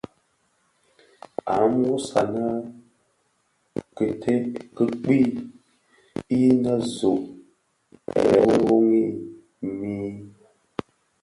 Àa nwos anè kite kì kpii, inè zòò yëë rôôghi mii.